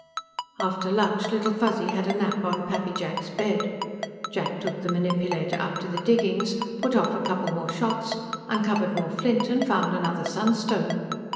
After lunch, Little Fuzzy had a nap on Pappy Jack's bed. Jack took the manipulator up to the diggings, put off a couple more shots, uncovered more flint and found another sunstone.